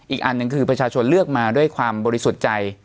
อีกอันหนึ่งคือประชาชนเลือกมาด้วยความบริสุทธิ์ใจ